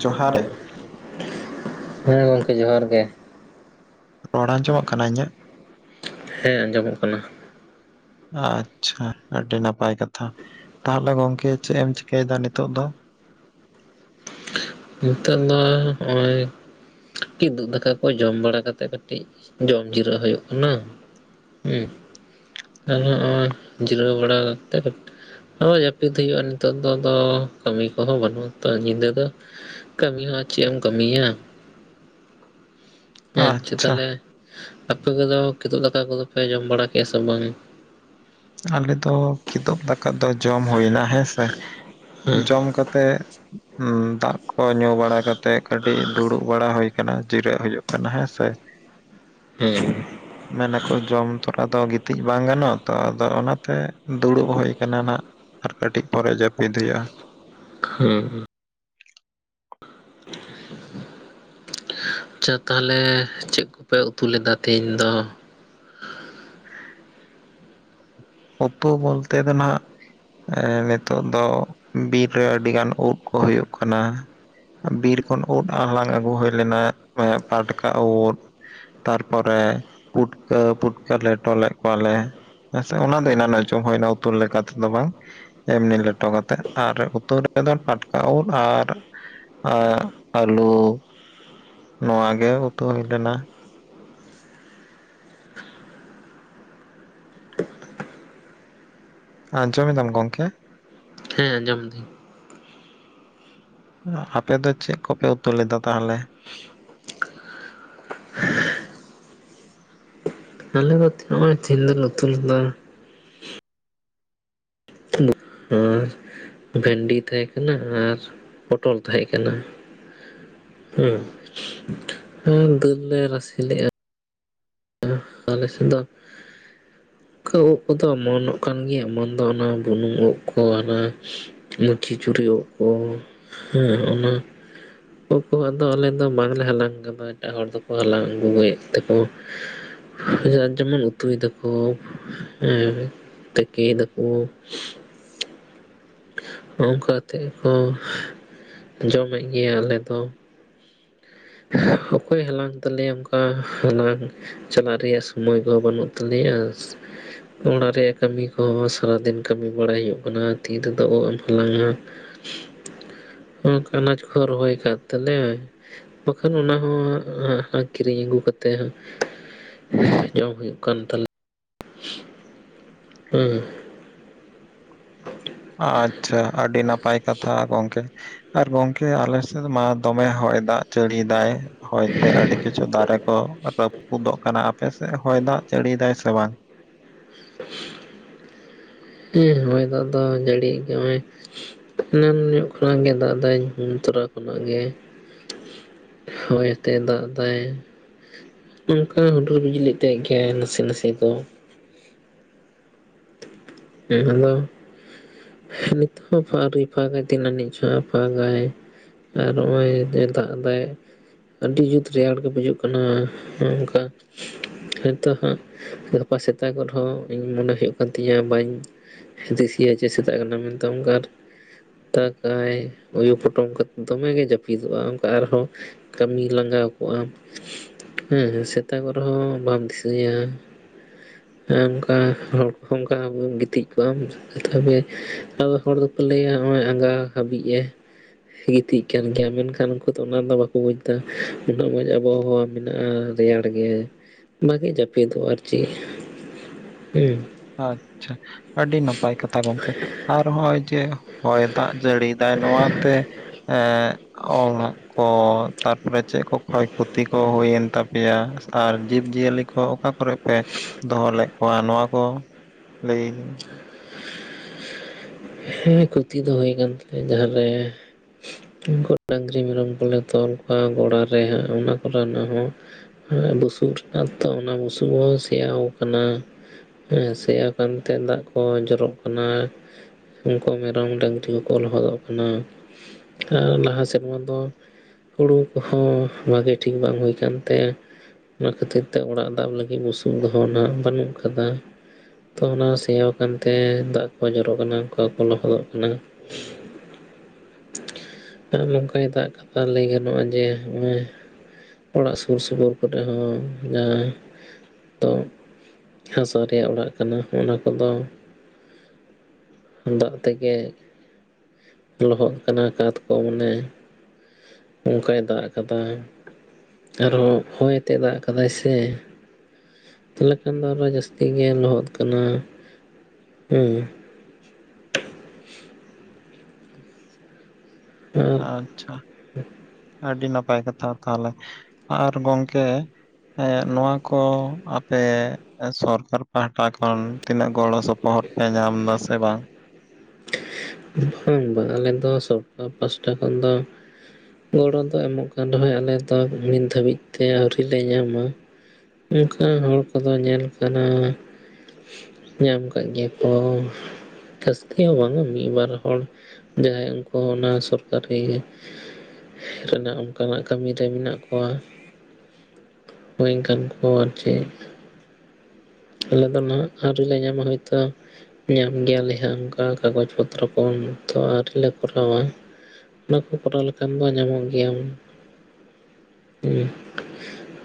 ᱡᱚᱦᱟᱨ ᱜᱮ ᱦᱮᱸ ᱜᱚᱝᱠᱮ ᱡᱚᱦᱟᱨ ᱜᱮ ᱨᱚᱲ ᱟᱸᱡᱚᱢᱚᱜ ᱠᱟᱱᱟ ᱤᱧᱟᱹᱜ ᱦᱮᱸ ᱟᱸᱡᱚᱢᱚᱜ ᱠᱟᱱᱟ ᱟᱪᱪᱷᱟ ᱟᱹᱰᱤ ᱱᱟᱯᱟᱭ ᱠᱟᱛᱷᱟ ᱛᱟᱦᱚᱞᱮ ᱜᱚᱝᱠᱮ ᱪᱮᱫ ᱮᱢ ᱪᱤᱠᱟᱹᱭᱮᱫᱟ ᱱᱤᱛᱚᱜ ᱫᱚ᱾ ᱱᱤᱛᱚᱜᱜ ᱫᱚ ᱦᱚᱜᱼᱚᱭ ᱠᱤᱫᱩᱩᱜ ᱫᱟᱠᱟ ᱠᱚ ᱡᱚᱢ ᱵᱟᱲᱟ ᱠᱟᱛᱮᱜ ᱠᱟᱹᱴᱤᱡ ᱡᱚᱢ ᱡᱤᱨᱟᱹᱜ ᱦᱩᱭᱩᱜ ᱠᱟᱱᱟ ᱦᱮᱸ ᱟᱨ ᱱᱚᱜᱚᱭ ᱡᱤᱨᱟᱹᱣ ᱵᱟᱲᱟ ᱠᱟᱛᱮ ᱦᱚᱭ ᱡᱟᱹᱯᱤᱫ ᱦᱩᱭᱩᱜᱼᱟ ᱱᱤᱛᱚᱜ ᱫᱚ ᱠᱟᱹᱢᱤ ᱠᱚᱦᱚᱸ ᱵᱟᱹᱱᱩᱜᱼᱟ ᱛᱚ ᱧᱤᱫᱟᱹ ᱫᱚ ᱠᱟᱹᱢᱤ ᱦᱚᱸ ᱪᱮᱫ ᱮᱢ ᱠᱟᱹᱢᱤᱭᱟᱹ ᱦᱮᱸ ᱪᱚ ᱟᱪᱪᱷᱟ ᱛᱟᱦᱚᱞᱮ ᱟᱯᱮ ᱠᱚᱫᱚ ᱠᱤᱫᱩ ᱫᱟᱠᱟ ᱠᱚᱫᱚ ᱯᱮ ᱡᱚᱢ ᱵᱟᱲᱟ ᱠᱼᱟ ᱥᱮ ᱵᱟᱝ? ᱟᱞᱮ ᱫᱚ ᱠᱤᱛᱩᱩᱵ ᱫᱟᱠᱟ ᱫᱚ ᱡᱚᱢ ᱦᱩᱭ ᱮᱱᱟ ᱦᱮᱸᱥᱮ ᱦᱮᱸ ᱡᱚᱢ ᱠᱟᱛᱮᱜ ᱫᱟᱜ ᱠᱚ ᱧᱩ ᱵᱟᱲᱟ ᱠᱟᱛᱮ ᱛᱮ ᱠᱟᱹᱴᱤᱡ ᱫᱩᱲᱩᱵ ᱵᱟᱲᱟ ᱦᱩᱭ ᱠᱟᱱᱟ᱾ ᱡᱤᱨᱟᱹᱜ ᱦᱩᱭᱩᱜ ᱠᱟᱱᱟ ᱦᱮᱸ ᱥᱮ ᱦᱮᱸ ᱢᱮᱱᱟᱠᱚ ᱡᱚᱢ ᱛᱚᱨᱟ ᱫᱚ, ᱜᱤᱛᱤᱡ ᱵᱟᱝ ᱜᱟᱱᱚᱜᱼᱟ, ᱛᱚ ᱾ ᱟᱫᱚ ᱚᱱᱟᱛᱮ ᱫᱩᱲᱩᱵ ᱦᱩᱭ ᱠᱟᱱᱟ ᱱᱟᱜ, ᱟᱨ ᱠᱟᱹᱴᱤᱡ ᱯᱚᱨᱮ ᱡᱟᱹᱯᱤᱫ ᱦᱩᱭᱩᱜᱼᱟ ᱾ ᱦᱮᱸ ᱾ ᱟᱪᱪᱷᱟ ᱛᱟᱦᱚᱞᱮ ᱪᱮᱫ ᱠᱚᱯᱮ ᱩᱛᱩ ᱞᱮᱫᱟ ᱛᱮᱦᱮᱧ ᱫᱚ? ᱩᱛᱩ ᱵᱚᱞᱛᱮ ᱫᱚ ᱱᱟᱦᱟᱜ ᱮ ᱱᱤᱛᱚᱜ ᱫᱚ ᱵᱤᱨ ᱨᱮ ᱟᱹᱰᱤ ᱜᱟᱱ ᱳᱫ ᱠᱚ ᱦᱩᱭᱩᱜ ᱠᱟᱱᱟ᱾ ᱵᱤᱨ ᱠᱷᱚᱱ ᱩᱫᱽ ᱟᱨ ᱦᱟᱞᱟᱝ ᱟᱹᱜᱩ ᱦᱩᱭ ᱞᱮᱱᱟ ᱯᱟᱴᱠᱟ ᱩᱫᱽ ᱾ ᱛᱟᱨᱯᱚᱨᱮ ᱯᱩᱴᱠᱟᱹ, ᱯᱩᱴᱠᱟᱹ ᱞᱮᱴᱚᱞᱮᱫ ᱠᱚᱣᱟᱞᱮ ᱾ ᱟᱪᱷᱟ ᱚᱱᱟ ᱫᱚ ᱮᱱᱟᱱ ᱡᱚᱢ ᱦᱩᱭᱱᱟ ᱩᱛᱩ ᱞᱮᱠᱟ ᱛᱮᱫᱚ ᱵᱟᱝ ᱾ ᱮᱢᱱᱤ ᱞᱮᱴᱚ ᱠᱟᱛᱮᱜ, ᱟᱨ ᱩᱛᱩ ᱨᱮᱫᱚ ᱴᱟᱴᱠᱟ ᱩᱫᱽ ᱟᱨ ᱟᱨ ᱟᱹᱞᱩ ᱱᱚᱣᱟ ᱜᱮ ᱩᱛᱩ ᱦᱩᱭ ᱞᱮᱱᱟ ᱾ ᱟᱡᱚᱢ ᱮᱫᱟᱢ ᱜᱚᱝᱠᱮ? ᱦᱮᱸ ᱟᱸᱡᱚᱢ ᱫᱟᱹᱧ ᱾ ᱟᱯᱮ ᱫᱚ ᱪᱮᱫ ᱠᱚᱯᱮ ᱩᱛᱩ ᱞᱮᱫᱟ ᱛᱟᱦᱚᱞᱮ? ᱟᱞᱮ ᱫᱚ ᱱᱚᱜᱼᱚᱭ ᱡᱤᱞ ᱞᱤᱧ ᱩᱛᱩ ᱞᱮᱫᱟ ᱾ ᱦᱮᱸ ᱵᱷᱮᱱᱰᱤ ᱛᱟᱦᱮᱸ ᱠᱟᱱᱟ ᱟᱨ ᱯᱚᱴᱚᱞ ᱛᱟᱦᱮᱸ ᱠᱟᱱᱟ᱾ ᱦᱮᱸ ᱫᱟᱹᱞ ᱞᱮ ᱨᱟᱥᱮ ᱞᱮᱜᱼᱟ᱾ ᱟᱞᱮ ᱥᱮᱫ ᱫᱚ ᱯᱩᱴᱠᱟᱹ ᱩᱫᱽ ᱠᱚᱫᱚ ᱚᱢᱚᱱᱚᱜ ᱠᱟᱱ ᱜᱮᱭᱟ, ᱚᱢᱚᱱ ᱫᱚ ᱚᱱᱟ ᱵᱩᱱᱩᱢ ᱩᱫᱽ ᱠᱚ ᱦᱟᱱᱟ ᱠᱷᱤᱪᱩᱨᱤ ᱩᱫ ᱠᱚ ᱦᱮᱸ ᱚᱱᱟ ᱩᱫᱽ ᱠᱚᱦᱚᱸ ᱟᱞᱮ ᱫᱚ ᱵᱟᱝᱞᱮ ᱦᱟᱞᱟᱝ ᱠᱟᱫᱟ ᱮᱴᱟᱜ ᱦᱚᱲ ᱫᱚᱠᱚ ᱦᱟᱞᱟᱝ ᱟᱹᱜᱩᱮᱫ ᱛᱮᱠᱚ ᱡᱟᱨ ᱡᱮᱢᱚᱱ ᱩᱛᱩᱭ ᱫᱟᱠᱚ ᱦᱮᱸ ᱛᱮᱠᱮᱭ ᱫᱟᱠᱚ ᱾ ᱦᱚᱜᱼᱚᱝᱠᱟ ᱠᱟᱛᱮᱜ ᱠᱚ, ᱡᱚᱢᱮᱫ ᱜᱮᱭᱟ ᱟᱞᱮ ᱫᱚ ᱾ ᱚᱠᱚᱭ ᱦᱟᱞᱟᱝ ᱛᱟᱞᱮᱭᱟ ᱚᱱᱠᱟ ᱦᱟᱞᱟᱝ ᱪᱟᱞᱟᱜ ᱨᱮᱭᱟᱜ ᱥᱚᱢᱚᱭ ᱠᱚ ᱵᱟᱹᱱᱩᱜ ᱛᱟᱞᱮᱭᱟ ᱾ ᱚᱲᱟᱜ ᱨᱮᱭᱟᱜ ᱠᱟᱹᱢᱤ ᱠᱚᱦᱚᱸ ᱥᱟᱨᱟᱫᱤᱱ ᱠᱟᱹᱢᱤ ᱵᱟᱲᱟᱭ ᱦᱩᱭᱩᱜ ᱠᱟᱱᱟ, ᱛᱤ ᱨᱮᱫᱚ ᱳᱜ ᱮᱢ ᱦᱟᱞᱟᱝ-ᱟ᱾ ᱦ [inaudible] ᱦᱚᱸ ᱟᱱᱟᱪ ᱠᱚ ᱨᱚᱦᱚᱭ ᱠᱟᱜ ᱛᱮᱞᱮ ᱾ ᱵᱟᱠᱷᱟᱱ ᱚᱱᱟ ᱦᱚᱸ ᱟᱠᱷᱤᱨᱤᱧ ᱟᱹᱜᱩ ᱠᱟᱛᱮᱜ ᱦᱟᱸᱜ ᱡᱚᱢ ᱦᱩᱭᱩᱜ ᱠᱟᱱ ᱛᱟᱞᱮᱭᱟ ᱾ [inaudible] ᱦᱩᱸ᱾ ᱟᱪᱪᱷᱟ ᱟᱹᱰᱤ ᱱᱟᱯᱟᱭ ᱠᱟᱛᱷᱟ ᱜᱚᱝᱠᱮ ᱾ ᱟᱨ ᱜᱚᱝᱠᱮ ᱟᱞᱮᱥᱮᱫ ᱢᱟ ᱫᱚᱢᱮ ᱦᱚᱭ ᱫᱟᱜ ᱾ ᱡᱟᱹᱲᱤᱭ ᱫᱟᱭ ᱦᱚᱭᱛᱮ ᱟᱹᱰᱤ ᱠᱤᱪᱷᱩ ᱫᱟᱨᱮ ᱠᱚ ᱨᱟᱹ ᱩᱫᱚᱜ ᱠᱟᱱᱟ ᱟᱯᱮᱥᱮᱫ ᱦᱚᱭ ᱫᱟᱜ ᱡᱟᱹᱲᱤᱭ ᱫᱟᱭ ᱥᱮ ᱵᱟᱝ? ᱦᱮᱸ ᱦᱚᱭ ᱫᱟᱜ ᱫᱚ ᱡᱟᱹᱲᱤᱭ ᱜᱮ ᱦᱚᱜᱼᱚᱭ ᱾ ᱮᱱᱟᱱ ᱧᱚᱜ ᱠᱷᱚᱱᱟᱜ ᱜᱮ ᱫᱟᱜ ᱫᱟᱭ ᱧᱩ ᱛᱚᱨᱟ ᱠᱷᱚᱱᱟᱜ ᱜᱮ᱾ ᱦᱚᱭ ᱦᱟᱛᱮᱜ ᱫᱟᱜ ᱫᱟᱭ᱾ ᱱᱚᱝᱠᱟ ᱦᱩᱰᱩᱨ ᱵᱤᱡᱽᱞᱤ ᱛᱮᱜ ᱜᱮ ᱱᱟᱥᱮ ᱱᱟᱥᱮ ᱫᱚ ᱾ ᱦᱮᱸ ᱦᱮᱞᱳ ᱱᱤᱛᱚᱜ ᱦᱚᱸ ᱯᱷᱟᱹ ᱟᱣᱨᱤ ᱯᱟᱠᱟᱭ ᱛᱤᱱ ᱟᱱᱤᱡᱪᱚ ᱦᱟᱸᱜ ᱯᱷᱟᱠᱟᱭ ᱾ ᱟᱨ ᱱᱚᱜᱼ ᱚᱭ ᱫᱟᱜ ᱫᱟᱭ ᱾ ᱟᱹᱰᱤ ᱡᱩᱛ ᱨᱮᱭᱟᱲ ᱜᱮ ᱵᱩᱡᱩᱜ ᱠᱟᱱᱟ ᱦᱚᱜᱼᱚᱭ ᱱᱚᱝᱠᱟ ᱾ ᱦᱮᱸᱛᱳ ᱦᱟᱸᱜ ᱜᱟᱯᱟ ᱥᱮᱛᱟᱜᱚᱜ ᱦᱚᱸ ᱤᱧ ᱢᱚᱱᱮ ᱦᱩᱭᱩᱜ ᱠᱟᱱ ᱛᱤᱧᱟᱹ ᱵᱟᱹᱧ [unintelligible] ᱪᱮ ᱥᱮᱛᱟᱜ ᱠᱟᱱᱟ ᱢᱮᱱᱛᱮ ᱚᱱᱠᱟᱨ ᱫᱟᱜᱟᱭ ᱩᱭᱩ ᱯᱚᱴᱚᱢ ᱠᱟᱛᱮᱫ ᱫᱚᱢᱮᱜᱮ ᱡᱟᱹᱯᱤᱫᱚᱜᱼᱟ, ᱚᱱᱠᱟ ᱟᱨᱦᱚᱸ ᱠᱟᱹᱢᱤ ᱞᱟᱸᱜᱟᱣ ᱠᱚᱜᱼᱟᱢ ᱾ ᱦᱮᱸ ᱦᱮᱸ ᱥᱮᱛᱟᱜᱚᱜ ᱨᱮᱦᱚᱸ ᱵᱟᱢ ᱫᱤᱥᱟᱹᱭᱟ ᱚᱱᱠᱟ ᱦᱚᱲ ᱠᱚᱦᱚᱸ ᱚᱱᱠᱟ [unintelligible] ᱜᱤᱛᱤᱡ ᱠᱚᱜ ᱟᱢ ᱛᱚᱵᱮ ᱟᱫᱚ ᱦᱚᱲ ᱫᱚᱠᱚ ᱞᱟᱹᱭᱟ ᱱᱚᱜ ᱚᱭ ᱟᱸᱜᱟ ᱦᱟᱹᱵᱤᱡ ᱮ ᱜᱤᱛᱤᱡ ᱠᱟᱱ ᱜᱮᱭᱟ ᱢᱮᱱᱠᱷᱟᱱ ᱩᱱᱠᱩ ᱛᱚ ᱚᱱᱟ ᱫᱚ ᱵᱟᱠᱚ ᱵᱩᱡ ᱫᱟ, ᱩᱱᱟᱹᱜ ᱢᱚᱸᱡᱽ ᱟᱵᱚ ᱦᱟᱣᱟ ᱢᱮᱱᱟᱜᱼᱟ᱾ ᱨᱮᱭᱟᱲ ᱜᱮ ᱵᱷᱟᱜᱮ ᱡᱟᱹᱯᱤᱫᱚᱜ ᱟᱨ ᱪᱮᱫ ᱦᱮᱸ ᱟᱪᱪᱷᱟ ᱟᱹᱰᱤ ᱱᱟᱯᱟᱭ ᱠᱟᱛᱷᱟ ᱜᱚᱝᱠᱮ ᱟᱨ ᱦᱚᱸᱜᱼᱚᱭ ᱡᱮ ᱦᱚᱭ ᱫᱟᱜ ᱡᱟᱹᱲᱤᱭ ᱫᱟᱭ ᱱᱚᱣᱟ ᱛᱮ ᱮ ᱚᱞᱟᱜ ᱠᱚ ᱛᱟᱨᱯᱚᱨᱮ ᱪᱮᱫ ᱠᱚ ᱠᱷᱚᱭ ᱠᱷᱚᱛᱤ ᱠᱚ ᱦᱩᱭᱮᱱ ᱛᱟᱯᱮᱭᱟ ᱟᱨ ᱡᱤᱵᱽ ᱡᱤᱭᱟᱹᱞᱤ ᱠᱚ ᱚᱠᱟ ᱠᱚᱨᱮ ᱯᱮ ᱫᱚᱦᱚ ᱞᱮᱫ ᱠᱚᱣᱟ ᱱᱚᱣᱟ ᱠᱚ ᱞᱟᱹᱭ ᱦᱮᱸ ᱠᱷᱚᱛᱤ ᱫᱚ ᱦᱩᱭ ᱟᱠᱟᱱ ᱛᱟᱞᱮᱭᱟ ᱡᱟᱸᱦᱟᱨᱮ ᱩᱱ ᱠᱷᱚᱡ ᱰᱟᱝᱨᱤ ᱢᱮᱨᱚᱢ ᱠᱚᱞᱮ ᱛᱚᱞ ᱠᱚᱣᱟ ᱜᱚᱲᱟ ᱨᱮ ᱦᱟᱸᱜ ᱚᱱᱟ ᱠᱚᱨᱮ ᱱᱟᱜ ᱦᱚᱸ ᱵᱩᱥᱩᱵ ᱨᱮᱱᱟᱜ ᱛᱚ ᱚᱱᱟ ᱵᱩᱥᱩᱵ ᱦᱚᱸ ᱥᱮᱭᱟᱣ ᱠᱟᱱᱟ ᱦᱮ ᱥᱮᱭᱟ ᱠᱟᱱ ᱛᱮ ᱫᱟᱜ ᱠᱚ ᱡᱚᱨᱚᱜ ᱠᱟᱱᱟ, ᱩᱱᱠᱩ ᱢᱮᱨᱚᱢ ᱰᱟᱹᱝᱨᱤ ᱠᱚᱠᱚ ᱞᱚᱦᱚᱫᱚᱜ ᱠᱟᱱᱟ ᱟᱨ ᱞᱟᱦᱟ ᱥᱮᱫ ᱢᱟ ᱫᱚ ᱦᱩᱲᱩ ᱠᱚᱦᱚᱸ ᱵᱷᱟᱜᱮ ᱴᱷᱤᱠ ᱵᱟᱝ ᱦᱩᱭ ᱠᱟᱱ ᱛᱮ ᱚᱱᱟ ᱠᱷᱟᱹᱛᱤᱨ ᱛᱮ ᱚᱲᱟᱜ ᱫᱟᱵ ᱞᱟᱹᱜᱤᱫ ᱵᱩᱥᱩᱵ ᱫᱚᱦᱚ ᱚᱱᱟ ᱵᱟᱹᱱᱩᱜ ᱠᱟᱫᱟ ᱛᱚ ᱚᱱᱟ ᱥᱮᱭᱟᱣ ᱠᱟᱱᱛᱮ ᱫᱟᱜ ᱠᱚ ᱡᱚᱨᱚᱜ ᱠᱟᱱᱟ ᱠᱷᱚᱲ ᱠᱚ ᱞᱚᱦᱚᱫᱚᱜ ᱠᱟᱱᱟ ᱟᱨ ᱜᱚᱢᱠᱮ ᱱᱤᱛ ᱟᱜ ᱠᱟᱛᱷᱟ ᱞᱟᱹᱭ ᱜᱟᱱᱚᱜᱼᱟ ᱡᱮ, ᱚᱲᱟᱜ ᱥᱩᱨ ᱥᱩᱯᱩᱨ ᱠᱚᱨᱮ ᱦᱚᱸ ᱡᱟᱸᱦᱟᱭ ᱛᱚ ᱦᱟᱥᱟ ᱨᱮᱭᱟᱜ ᱚᱲᱟᱜ ᱠᱟᱱᱟ ᱚᱱᱟ ᱠᱚᱫᱚ ᱫᱟᱜ ᱛᱮᱜᱮ, ᱞᱚᱦᱚᱜ ᱟᱠᱟᱱᱟ ᱠᱟᱸᱛ ᱠᱚ ᱢᱟᱱᱮ ᱚᱱᱠᱟᱭ ᱫᱟᱜ ᱠᱟᱫᱟ ᱟᱨ ᱦᱚᱸ ᱦᱚᱭ ᱛᱮ ᱫᱟᱜ ᱠᱟᱫᱟᱭ ᱥᱮ ᱛᱟᱦᱚᱞᱮ ᱠᱷᱟᱱ ᱫᱚ ᱚᱱᱟ ᱡᱟᱹᱥᱛᱤ ᱜᱮ ᱞᱚᱦᱚᱫ ᱠᱟᱱᱟ ᱦᱩᱸ ᱟᱨ ᱟᱪᱪᱷᱟ ᱟᱹᱰᱤ ᱱᱟᱯᱟᱭ ᱠᱟᱛᱷᱟ ᱛᱟᱦᱚᱞᱮ ᱟᱨ ᱜᱚᱝᱠᱮ ᱱᱚᱣᱟ ᱠᱚ ᱟᱯᱮ ᱥᱚᱨᱠᱟᱨ ᱯᱟᱦᱟᱴᱟ ᱠᱷᱚᱱ ᱛᱤᱱᱟᱹᱜ ᱜᱚᱲᱚ ᱥᱚᱯᱚᱦᱚᱫ ᱯᱮ ᱧᱟᱢ ᱫᱟ ᱥᱮ ᱵᱟᱝ? ᱵᱟᱝ ᱵᱟᱝ ᱟᱞᱮ ᱫᱚ ᱥᱚᱨᱠᱟᱨ ᱯᱟᱥᱴᱟ ᱠᱷᱚᱱ ᱫᱚ ᱜᱚᱲᱚ ᱫᱚ ᱮᱢᱚᱜ ᱠᱟᱱ ᱨᱮᱦᱚᱸᱭ ᱚᱱᱮ ᱛᱚ ᱱᱤᱛ ᱫᱷᱟᱹᱵᱤᱡ ᱛᱮ ᱟᱹᱣᱨᱤ ᱞᱮ ᱧᱟᱢᱟ, ᱚᱱᱠᱟ ᱦᱚᱲ ᱠᱚᱫᱚ ᱧᱮᱞ ᱠᱟᱱᱟ ᱧᱟᱢ ᱠᱟᱜ ᱜᱮᱭᱟ ᱯᱮ ᱵᱟᱝ ᱛᱮ ᱦᱚ ᱵᱟᱝ ᱵᱟᱝ ᱢᱤᱫ ᱵᱟᱨ ᱦᱚᱲ ᱡᱟᱦᱟᱸᱭ ᱩᱱᱠᱩ ᱚᱱᱟ ᱥᱚᱨᱠᱟᱨᱤ ᱚᱱᱮ ᱚᱱᱠᱟᱱᱟᱜ ᱠᱟᱹᱢᱤ ᱨᱮ ᱢᱮᱱᱟᱜ ᱠᱚᱣᱟ, ᱦᱳᱭ ᱤᱱᱠᱟ. ᱱ ᱠᱚ ᱟᱨ ᱪᱮ, ᱟᱞᱮ ᱫᱚ ᱱᱟᱦᱟᱜ ᱟᱹᱣᱨᱤ ᱞᱮ ᱧᱟᱢᱟ ᱦᱚᱭᱛᱳ, ᱧᱟᱢ ᱜᱮᱭᱟᱞᱮ ᱦᱟᱸᱜ ᱚᱝᱠᱟ ᱠᱟᱜᱚᱡᱽ ᱯᱚᱛᱨᱚ ᱠᱚ ᱛᱚ ᱟᱹᱣᱨᱤ ᱞᱮ ᱠᱚᱨᱟᱣᱼᱟ᱾ ᱚᱱᱟ ᱠᱚ ᱠᱚᱨᱟᱣ ᱞᱮᱠᱷᱟᱱ ᱫᱚ ᱧᱟᱢᱚᱜ ᱜᱮᱭᱟᱢ ᱦᱩᱸ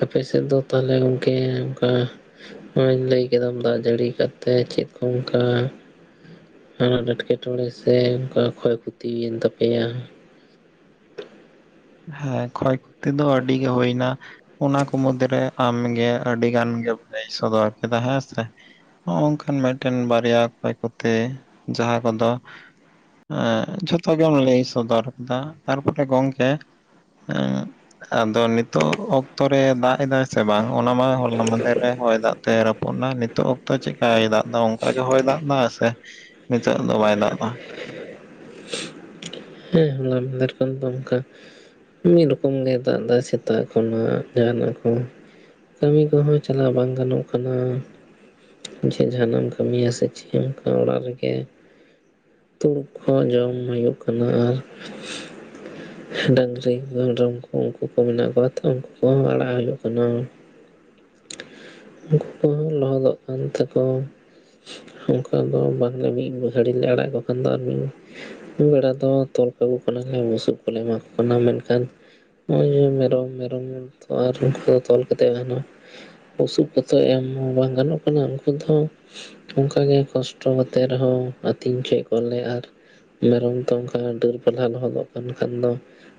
ᱟᱯᱮ ᱥᱮᱫ ᱫᱚ ᱛᱟᱦᱚᱞᱮ ᱜᱚᱢᱠᱮ ᱚᱱᱠᱟ ᱱᱚᱜ-ᱚᱭ ᱞᱟᱹᱭ ᱠᱮᱫᱟᱢ ᱫᱟᱜ ᱡᱟᱹᱲᱤ ᱠᱟᱛᱮ ᱪᱮᱫ ᱠᱚ ᱚᱱᱠᱟ ᱦᱟᱱᱟᱜ ᱮᱴᱠᱮᱴᱚᱬᱮ ᱥᱮ ᱚᱱᱠᱟ ᱠᱷᱚᱭ ᱠᱷᱚᱛᱤ ᱭᱮᱱ ᱛᱟᱯᱮᱭᱟ? ᱦᱮᱸ ᱠᱷᱚᱭ ᱠᱷᱛᱤ ᱫᱚ ᱟᱹᱰᱤ ᱜᱮ ᱦᱩᱭ ᱱᱟ ᱚᱱᱟ ᱠᱚ ᱢᱩᱫᱽᱫᱷᱮᱨᱮ ᱟᱢ ᱜᱮ ᱟᱹᱰᱤ ᱜᱟᱱ ᱜᱮᱢ ᱞᱟᱹᱭ ᱥᱚᱫᱚᱨ ᱠᱮᱫᱟ ᱦᱮᱸ ᱥᱮ, ᱦᱚᱜ ᱚ ᱚᱝᱠᱟᱱ ᱢᱤᱫᱴᱮᱱ ᱵᱟᱨᱮᱭᱟ ᱚᱠᱚᱭ ᱠᱚᱛᱮ ᱡᱟᱦᱟᱸ ᱠᱚᱫᱚ ᱟ ᱡᱷᱚᱛᱚ ᱜᱮᱢ ᱞᱟᱹᱭ ᱥᱚᱫᱚᱨ ᱠᱮᱫᱟ ᱛᱟᱨ ᱯᱚᱨᱮ ᱜᱚᱢᱠᱮ ᱩᱸ ᱟᱫᱚ ᱱᱤᱛᱚᱜ ᱚᱠᱛᱚ ᱨᱮ ᱫᱟᱜ ᱮᱫᱟᱭ ᱥᱮ ᱵᱟᱝ ᱚᱱᱟ ᱢᱟ ᱦᱚᱞᱟ ᱢᱫᱷᱮᱨ ᱨᱮ ᱦᱚᱭ ᱫᱟᱜ ᱛᱮᱨᱟᱯᱚᱱᱟᱭ ᱱᱤᱛᱚᱜ ᱦᱚ ᱛᱚ ᱪᱤᱠᱠᱟᱭ ᱫᱟᱜ ᱫᱟ ᱚᱱᱠᱟᱜᱮ ᱦᱚᱭ ᱫᱟᱜ ᱫᱟ ᱥᱮ ᱱᱤᱛᱚᱜ ᱫᱚ ᱵᱟᱭ ᱫᱟᱜ ᱫᱟ ᱦᱮᱸ ᱦᱚᱞᱟ ᱢᱟᱫᱷᱮᱨ ᱠᱷᱚᱱ ᱫᱚ ᱚᱱᱠᱟ ᱢᱤᱫ ᱨᱚᱠᱚᱢ ᱜᱮ ᱫᱟᱜ ᱫᱟᱭ ᱥᱮᱛᱟᱜ ᱠᱷᱚᱱᱟᱜ ᱡᱟᱦᱟᱱᱟᱜ ᱠᱚ᱾ ᱠᱟᱹᱢᱤ ᱠᱚᱦᱚᱸ ᱪᱟᱞᱟᱣ ᱵᱟᱝ ᱜᱟᱱᱚᱜ ᱠᱟᱱᱟ ᱡᱮ ᱡᱟᱦᱟᱱᱟᱜ ᱮᱢ ᱠᱟᱹᱢᱤᱭᱟ ᱥᱮ ᱪᱮᱫ ᱚᱱᱠᱟ ᱚᱲᱟᱜ ᱨᱮᱜᱮ ᱛᱩᱲᱩᱠ ᱦᱚᱸ ᱡᱚᱢ ᱦᱩᱭᱩᱜ ᱠᱟᱱᱟ ᱟᱨ ᱰᱟᱹᱝᱨᱤ ᱢᱮᱨᱚᱢ ᱠᱚ ᱩᱱᱠᱩ ᱠᱚ ᱢᱮᱱᱟᱜ ᱠᱚᱣᱟ ᱛᱚ ᱩᱱᱠᱩ ᱠᱚᱦᱚᱸ ᱟᱲᱟᱜ ᱦᱩᱭᱩᱜ ᱠᱟᱱᱟ ᱩᱱᱠᱩ ᱠᱚᱦᱚᱸ ᱞᱚᱦᱚᱫᱚᱜ ᱠᱟᱱ ᱛᱟᱠᱚ ᱚᱱᱠᱟ ᱫᱚ ᱵᱟᱝᱞᱮ ᱢᱤᱫ ᱜᱷᱟᱹᱲᱤ ᱞᱮ ᱟᱲᱟᱜ ᱠᱚ ᱠᱟᱱ ᱫᱚ ᱟᱨ ᱢᱤᱫ [unintelligible] ᱵᱮᱲᱟ ᱫᱚ ᱛᱚᱞ ᱠᱟᱠᱚ ᱠᱟᱱᱟᱞᱮ ᱵᱩᱥᱩᱵ ᱠᱚᱞᱮ ᱮᱢᱟ ᱠᱚ ᱠᱟᱱᱟ ᱢᱮᱱᱠᱷᱟᱱ ᱱᱚᱜᱼᱚᱭ ᱡᱮ ᱢᱮᱨᱚᱢ ᱢᱮᱨᱚᱢ ᱟᱨ ᱩᱱᱠᱩ ᱛᱚᱞ ᱠᱟᱛᱮ ᱜᱟᱱᱚᱜ ᱵᱩᱥᱩᱵ ᱠᱚᱛᱮ ᱮᱢ ᱦᱚᱸ ᱵᱟᱝ ᱜᱟᱱᱚᱜ ᱠᱟᱱᱟ᱾ ᱩᱱᱠᱩ ᱫᱚ ᱚᱱᱠᱟᱜᱮ ᱠᱚᱥᱴᱚ ᱠᱟᱛᱮᱜ ᱨᱮᱦᱚᱸ ᱟᱹᱛᱤᱧ ᱦᱚᱪᱚᱭᱮᱫ ᱠᱚᱣᱟᱞᱮ ᱟᱨ ᱢᱮᱨᱚᱢ ᱛᱚ ᱚᱱᱠᱟ ᱰᱟᱹᱨ ᱯᱟᱞᱦᱟ ᱞᱚᱦᱚᱫᱚᱜ ᱠᱟᱱ ᱠᱷᱟᱱ ᱫᱚ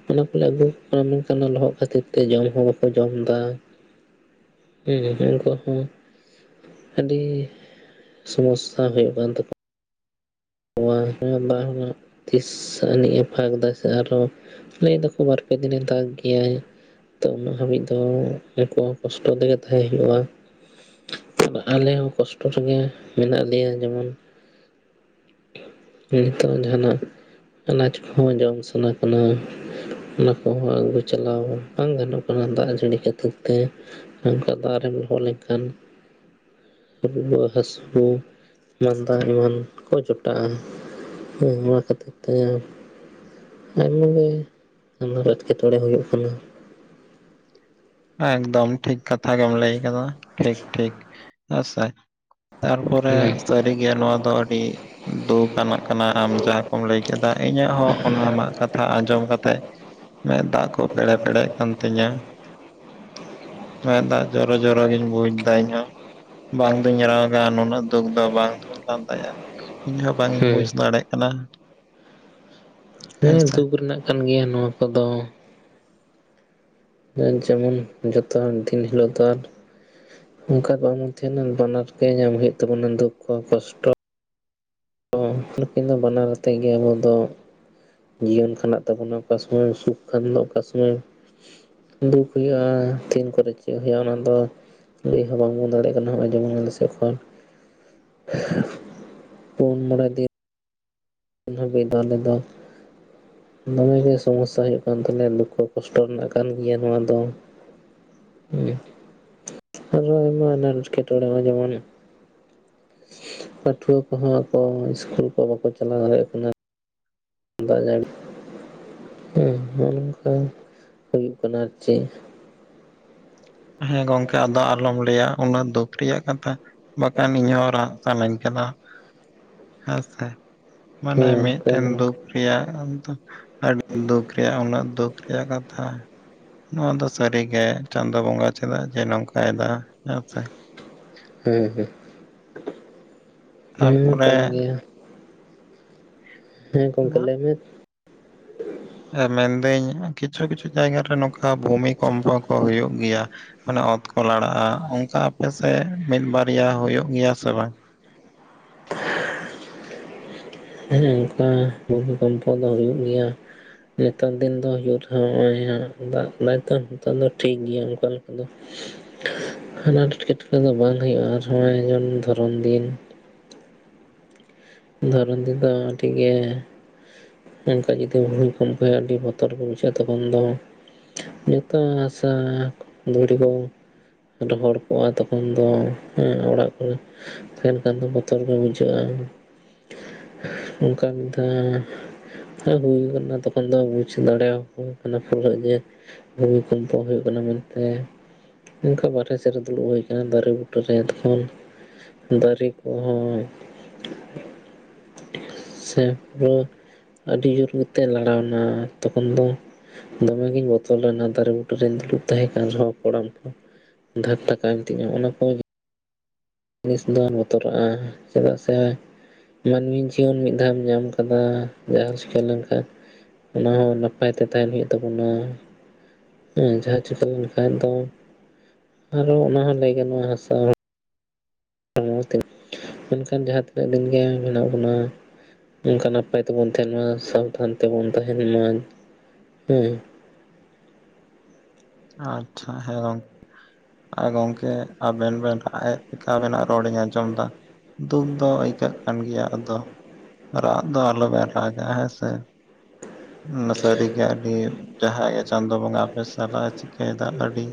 ᱚᱱᱟ ᱠᱚᱞᱮ ᱟᱹᱜᱩ ᱠᱟᱱᱟ ᱢᱮᱱᱠᱷᱟᱱ ᱞᱚᱦᱚᱫ ᱠᱷᱟᱹᱛᱤᱨ ᱛᱮ ᱡᱚᱢ ᱦᱚᱸ ᱵᱟᱠᱚ ᱡᱚᱢᱫᱟ ᱦᱮᱸ ᱩᱱᱠᱩ ᱦᱚᱸ ᱟᱹᱰᱤ ᱥᱚᱢᱚᱥᱭᱟ ᱦᱩᱭᱩᱜ ᱠᱟᱱ ᱛᱟᱠᱚᱣᱟ [unintelligible] ᱵᱟᱨ ᱨᱮᱱᱟᱜ ᱛᱤᱥ ᱟᱹᱱᱤᱡ ᱮ ᱯᱷᱟᱸᱠ ᱫᱟᱭ ᱥᱮ ᱟᱨᱦᱚᱸ ᱞᱟᱹᱭ ᱫᱚᱠᱚ ᱵᱟᱨᱯᱮ ᱫᱤᱱᱮ ᱫᱟᱜᱽ ᱜᱮᱭᱟᱭ᱾ ᱛᱚ ᱩᱱᱟᱹᱜ ᱦᱟᱹᱵᱤᱡ ᱫᱚ ᱮᱠᱩᱟ ᱠᱚᱥᱴᱚ ᱛᱮᱜᱮ ᱛᱟᱦᱮᱸ ᱦᱳᱭᱳᱜᱼᱟ ᱟᱞᱮ ᱦᱚᱸ ᱠᱚᱥᱴᱚ ᱨᱮᱜᱮ ᱢᱮᱱᱟᱜ ᱞᱮᱭᱟ ᱡᱮᱢᱚᱱ ᱱᱤᱛᱟᱨ ᱡᱟᱦᱟᱱᱟᱜ ᱟᱱᱟᱡ ᱠᱚᱦᱚᱸ ᱡᱚᱢ ᱥᱟᱱᱟ ᱠᱟᱱᱟ, ᱚᱱᱟ ᱠᱚᱦᱚᱸ ᱟᱹᱜᱩ ᱪᱟᱞᱟᱣ ᱵᱟᱝ ᱜᱟᱱᱚᱜ ᱠᱟᱱᱟ ᱫᱟᱜ ᱡᱟᱹᱲᱤ ᱠᱷᱟᱹᱛᱤᱨ ᱛᱮ ᱚᱝᱠᱟ ᱫᱟᱜᱨᱮᱢ ᱞᱚᱦᱚᱜ ᱞᱮᱱᱠᱷᱟᱱ ᱨᱩᱣᱟ, ᱹ ᱦᱟᱹᱥᱩ, ᱢᱟᱸᱫᱟ ᱮᱢᱟᱱ ᱠᱚ ᱡᱚᱴ [unintelligible] ᱠᱷᱴᱟᱜᱼᱟ ᱦᱮᱸ ᱚᱱᱟ ᱠᱷᱟᱹᱛᱤᱨ ᱛᱮ ᱟᱭᱢᱟ ᱜᱮ [unintelligible] ᱮᱴᱠᱮᱴᱚᱬᱮ ᱦᱩᱭᱩᱜ ᱠᱟᱱᱟ ᱮᱠᱫᱚᱢ ᱴᱷᱤᱠ ᱠᱟᱛᱷᱟ ᱜᱮᱢ ᱞᱟᱹᱭ ᱠᱟᱫᱟ ᱴᱷᱤᱠ ᱴᱷᱤᱠ ᱟᱥ ᱟᱭ ᱛᱟᱨᱯᱚᱨᱮ ᱦᱮᱸ ᱥᱟᱹᱨᱤᱜᱮ ᱱᱚᱣᱟ ᱫᱚ ᱟᱹᱰᱤ ᱫᱩᱠ ᱟᱱᱟᱜ ᱠᱟᱱᱟ ᱟᱢᱡᱟ ᱠᱚᱢ ᱞᱟᱹᱭ ᱠᱮᱫᱟ ᱤᱧᱟᱹᱜ ᱦᱚᱸ ᱚᱱᱟ ᱟᱢᱟᱜ ᱠᱟᱛᱷᱟ ᱟᱸᱡᱚᱢ ᱠᱟᱛᱮ ᱢᱮᱫ ᱫᱟᱜ ᱠᱚ ᱯᱮᱲᱮ ᱯᱮᱲᱮᱜ ᱠᱟᱱ ᱛᱤᱧᱟᱹ᱾ ᱢᱮᱫ ᱫᱟᱜ ᱡᱚᱨᱚ ᱡᱚᱨᱚᱜᱤᱧ ᱵᱩᱡ ᱫᱟ ᱤᱧᱦᱚᱸ ᱵᱟᱝ ᱫᱩᱧ ᱨᱟᱜᱟ ᱱᱩᱱᱟᱹᱜ ᱫᱩᱠ ᱫᱚ ᱵᱟᱝ ᱦᱩᱭ ᱠᱟᱱ ᱛᱟᱭᱟ ᱤᱧᱦᱚᱸ ᱵᱟᱝ ᱤᱧ ᱵᱩᱡᱽ ᱦᱮᱸ ᱫᱟᱲᱮᱜ ᱠᱟᱱᱟ᱾ ᱦᱮᱸ ᱫᱩᱠ ᱨᱮᱱᱟᱜ ᱠᱟᱱ ᱜᱮᱭᱟ ᱱᱚᱣᱟ ᱠᱚᱫᱚ [unintelligible] ᱡᱮᱢᱚᱱ ᱡᱮᱢᱚᱱ ᱡᱚᱛᱚ ᱫᱤᱱ ᱦᱤᱞᱳᱜ ᱫᱚ ᱟᱨ ᱚᱱᱠᱟ ᱫᱚ ᱵᱟᱝᱵᱚᱱ ᱛᱟᱦᱮᱱᱟ ᱵᱟᱱᱟᱨ ᱜᱮ ᱧᱟᱢᱦᱳᱭᱳᱜ ᱛᱟᱵᱚᱱᱟ ᱫᱩᱠᱠᱷᱚ ᱠᱚᱥᱴᱚ ᱛᱚ ᱱᱩᱠᱤᱱ ᱫᱚ ᱵᱟᱱᱟᱨ ᱟᱛᱮᱫ ᱜᱮ ᱟᱵᱚ ᱫᱚ ᱡᱤᱭᱚᱱ ᱠᱷᱟᱱᱰᱟᱜ ᱛᱟᱵᱚᱱᱟ᱾ ᱚᱠᱟ ᱥᱩᱢᱚᱭ ᱥᱩᱠ ᱠᱷᱟᱱ ᱫᱚ ᱚᱠᱟ ᱥᱩᱢᱟᱹᱭ ᱫᱩᱠ ᱦᱩᱭᱩᱜᱼᱟ ᱛᱤᱱ ᱠᱚᱨᱮ ᱪᱮᱫ ᱦᱩᱭᱩᱜᱼᱟ ᱚᱱᱟ ᱫᱚ ᱞᱟᱹᱭ ᱦᱚᱸ ᱵᱟᱝᱵᱚᱱ ᱫᱟᱲᱮᱭᱟᱜ ᱠᱟᱱᱟ ᱱᱚᱜᱚᱭ ᱡᱮᱢᱚᱱ ᱟᱞᱮ ᱥᱮᱫ ᱠᱷᱚᱱ ᱯᱩᱱ ᱢᱚᱬᱮ ᱫᱤᱱ ᱦᱟᱹᱵᱤᱡ ᱫᱚ ᱟᱞᱮ ᱫᱚ ᱫᱚᱢᱮ ᱜᱮ ᱥᱚᱢᱚᱥᱥᱟ ᱦᱩᱭᱩᱜ ᱠᱟᱱ ᱛᱟᱞᱮᱭᱟ ᱫᱩᱠᱠᱷᱚ ᱠᱚᱥᱴᱚ ᱨᱮᱱᱟᱜ ᱠᱟᱱ ᱜᱮᱭᱟ ᱱᱚᱣᱟ ᱫᱚ᱾ [unintelligible] ᱟᱨ ᱟᱭᱢᱟ ᱚᱱᱟ ᱮᱴᱠᱮᱴᱚᱲᱮᱢ ᱟᱱᱡᱚᱢᱟ ᱱᱟᱦᱟᱜ ᱯᱟᱹᱴᱷᱩᱣᱟᱹ ᱠᱚᱦᱚᱸ ᱟᱠᱚ ᱚᱱᱟ ᱤᱥᱠᱩᱞ ᱠᱚ ᱵᱟᱠᱚ ᱪᱟᱞᱟᱣ ᱫᱟᱲᱮᱭᱟᱜ ᱠᱟᱱᱟ ᱫᱟᱜ [unintelligible] ᱦᱮᱸ ᱱᱚᱜᱼᱚᱭ ᱱᱚᱝᱠᱟ ᱦᱩᱭᱩᱜ ᱠᱟᱱᱟ ᱟᱨ ᱪᱮᱫ? ᱦᱮᱸ ᱜᱚᱝᱠᱮ ᱟᱫᱚ ᱟᱞᱚᱢ ᱞᱟᱹᱭᱟ ᱩᱱᱟᱹᱜ ᱫᱩᱠ ᱨᱮᱭᱟᱜ ᱠᱟᱛᱷᱟ᱾ ᱵᱟᱠᱷᱟᱱ ᱤᱧ ᱦᱚᱸ ᱨᱟᱜ ᱥᱟᱱᱟᱧ ᱠᱟᱱᱟ ᱦᱮᱸ ᱥᱮ ᱢᱟᱱᱮ ᱦᱮᱸ ᱚᱱᱠᱟᱱ ᱢᱤᱫᱴᱮᱱ ᱦᱚᱸ ᱫᱩᱠ ᱨᱮᱭᱟᱜ ᱟᱫᱚ ᱟᱹᱰᱤ ᱫᱩᱠ ᱨᱮᱭᱟᱜ ᱩᱱᱟᱹᱜ ᱫᱩᱠ ᱨᱮᱭᱟᱜ ᱠᱟᱛᱷᱟ ᱱᱚᱣᱟ ᱫᱚ ᱥᱟᱹᱨᱤ ᱜᱮ ᱪᱮ ᱫᱚ ᱵᱚᱸᱜᱟ ᱪᱮᱫᱟᱜ ᱡᱮ ᱱᱚᱝᱠᱟᱭ ᱫᱟ ᱦᱮᱸᱛᱮ ᱦᱮᱸ ᱦᱮᱸ ᱦᱮᱸ ᱛᱟᱨᱯᱚᱨᱮ ᱠᱟᱱ ᱜᱮᱭᱟ ᱦᱮᱸ ᱜᱚᱢᱠᱮ ᱞᱟᱹᱭᱢᱮ ᱢᱮᱱᱫᱟᱹᱧ ᱠᱤᱪᱷᱩ ᱠᱤᱪᱷᱩ ᱡᱟᱭᱜᱟᱮ ᱱᱚᱝᱠᱟ ᱵᱷᱩᱢᱤᱤᱠᱢᱯᱚ ᱠᱚ ᱦᱩᱭᱩᱜ ᱜᱮᱭᱟ ᱚᱟᱱᱮ ᱚᱛ ᱠᱚ ᱞᱟᱲᱟᱜᱼᱟ ᱚᱱᱠᱟ ᱟᱯᱮᱥᱮᱫ ᱢᱤᱫᱵᱟᱨᱭᱟ ᱦᱩᱭᱩᱜ ᱜᱮᱭᱟ ᱥᱮ ᱵᱟᱝ ᱦᱮ ᱚᱱᱠᱟ ᱵᱷᱢᱤᱠᱚᱢᱯᱚ ᱫᱚ ᱦᱩᱭᱩᱜ ᱜᱮᱭᱟ ᱱᱮᱛᱟᱨ ᱫᱤᱱ ᱫᱚ ᱦᱩᱭᱩᱜᱳ ᱨᱮᱦᱚᱸ ᱱᱚᱜᱼ ᱫᱟᱜ ᱫᱟᱭᱚ ᱱᱮᱛᱟᱨ ᱫᱚ ᱴᱷᱤᱠ ᱜᱮᱭᱟ ᱚᱱᱠᱟ ᱞᱮᱠᱟ ᱫᱚ [inaudible] ᱦᱟᱱᱟ ᱮᱴᱠᱮᱴᱚᱲᱮ ᱫᱚ ᱵᱟᱝ ᱦᱩᱭᱩᱜᱼᱟ ᱟᱨ ᱱᱚᱜᱼᱚᱭᱮ ᱫᱷᱚᱨᱚᱱ ᱫᱤᱱ ᱫᱷᱚᱨ ᱛᱮ ᱛᱚ ᱴᱤᱠᱜᱮ ᱢᱮᱱᱠᱷᱟᱱ ᱡᱩᱫᱤ ᱵᱷᱩᱢᱤ ᱠᱚᱢᱯᱚᱭᱟᱭ ᱟᱹᱰᱤ ᱵᱚᱛᱚᱨ ᱜᱮ ᱵᱩᱡᱷᱟᱹᱜᱼᱟ ᱛᱚᱠᱷᱚᱱ ᱫᱚ ᱡᱚᱛᱚ ᱟᱥᱟ ᱫᱷᱩᱲ ᱠᱚ [unintelligible] ᱨᱚᱦᱚᱲ ᱠᱚᱜᱼᱟ ᱛᱚᱠᱷᱚᱱ ᱫᱚ ᱚᱲᱟᱜ ᱠᱚᱨᱮ ᱢᱮᱱᱠᱷᱟᱱ ᱫᱚ ᱵᱚᱛᱚᱨ ᱜᱮ ᱵᱩᱡᱷᱟᱹᱜᱼᱟ ᱚᱱᱠᱟ ᱢᱤᱫ ᱫᱷᱟ ᱦᱩᱭ ᱠᱟᱱᱟ ᱛᱚᱠᱷᱚᱱ ᱫᱚ ᱵᱩᱡ ᱫᱟᱲᱮᱭᱟᱠᱚ ᱠᱟᱱᱟ ᱯᱩᱨᱟᱹ ᱡᱮ ᱵᱷᱵᱤᱠᱢᱯᱚ ᱦᱩᱭᱩᱜ ᱠᱟᱱᱟ ᱢᱮᱱᱛᱮ ᱚᱱᱠᱟ ᱵᱟᱨᱦᱮ ᱥᱮᱫᱨᱮ ᱫᱩᱲᱩᱵ ᱦᱩᱭ ᱟᱠᱟᱱᱟ ᱫᱟᱨᱮ ᱵᱩᱴᱟᱹ ᱨᱮ ᱮᱠᱷᱚᱱ ᱫᱟᱨᱮ ᱠᱚᱦᱚᱸ [inaudible] ᱥᱮ ᱯᱩᱨᱟᱹ ᱟᱹᱰᱤ ᱡᱳᱨ ᱠᱟᱛᱮ ᱞᱟᱲᱟᱣᱮᱱᱟ ᱛᱚᱠᱷᱚᱱ ᱫᱚ ᱫᱚᱢᱮᱜ ᱜᱤᱧ ᱵᱚᱛᱚᱨ ᱞᱮᱱᱟ ᱫᱟᱨᱮ ᱵᱩᱴᱟᱹᱨ ᱨᱤᱧ ᱫᱩᱲᱩᱵ ᱛᱟᱦᱮᱸ ᱠᱟᱱ ᱨᱮᱦᱚᱸ ᱠᱚᱲᱟᱢ ᱠᱚ ᱫᱷᱟᱨ ᱴᱟᱠᱟᱢ ᱛᱤᱧᱟᱹᱟ ᱚᱱᱟ ᱠᱚ ᱡᱤᱱᱤᱥ ᱫᱚ ᱵᱚᱛᱚᱨᱟᱜᱼᱟ ᱪᱮᱫᱟᱜ ᱥᱮ ᱢᱟᱹᱱᱢᱤ ᱡᱤᱭᱚᱱ ᱢᱤᱫ ᱫᱷᱟᱢ ᱧᱟᱢ ᱟᱠᱟᱫᱟ ᱡᱟᱦᱟᱸ ᱪᱤᱠᱟᱹ ᱞᱮᱱᱠᱷᱟᱱ ᱚᱱᱟ ᱦᱚᱸ ᱱᱟᱯᱟᱭ ᱛᱮ ᱛᱟᱦᱮᱱ ᱦᱩᱭᱩᱜ ᱛᱟᱵᱚᱱᱟ ᱦᱮᱸ ᱡᱟᱦᱟᱸ ᱪᱤᱠᱟᱹᱣ ᱞᱮᱱᱠᱷᱟᱱ ᱫᱚ ᱟᱨᱚ ᱚᱱᱟ ᱦᱚᱸ ᱞᱟᱹᱭ ᱜᱟᱱᱚᱜᱼᱟ ᱦᱟᱥᱟ ᱚ ᱟᱫᱚ ᱢᱮᱱᱠᱷᱟᱱ ᱡᱟᱦᱟᱸ ᱛᱤᱱᱟᱹᱜ ᱫᱤᱱ ᱜᱮ ᱢᱮᱱᱟᱜ ᱵᱚᱱᱟ ᱚᱱᱠᱟ ᱱᱟᱯᱟᱭ ᱛᱮᱵᱚᱱ ᱛᱟᱦᱮᱱ ᱢᱟ ᱥᱟᱵᱫᱷᱟᱱ ᱛᱮᱵᱚᱱ ᱛᱟᱦᱮᱱ ᱢᱟ ᱦᱮᱸ ᱟᱪᱪᱷᱟ ᱦᱮᱸ ᱜᱚᱝᱠᱮ ᱟᱨ ᱜᱚᱝᱠᱮ ᱟᱵᱮᱱ ᱵᱮᱱ ᱨᱟᱜ ᱮᱫ ᱴᱮᱠᱟᱣ ᱨᱮᱱᱟᱜ ᱨᱚᱲᱤᱧ ᱟᱸᱡᱚᱢᱫᱟ ᱫᱩᱠ ᱫᱚ ᱟᱹᱭᱠᱟᱹᱜ ᱠᱟᱱ ᱜᱮᱭᱟ ᱟᱫᱚ ᱨᱟᱜ ᱫᱚ ᱟᱞᱚ ᱵᱮᱱ ᱨᱟᱜᱟ ᱦᱮᱸ ᱥᱮ ᱥᱟᱹᱨᱤᱜᱮ ᱟᱹᱰᱤ ᱡᱟᱦᱟᱸᱜᱮ ᱪᱟᱸᱫᱳ ᱵᱚᱸᱜᱟ ᱟᱯᱮ ᱥᱟᱞᱟᱜ ᱪᱤᱠᱟᱹᱭᱮᱫᱟ ᱟᱹᱰᱤ